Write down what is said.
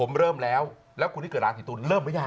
ผมเริ่มแล้วแล้วคุณที่เกิดราศีตูน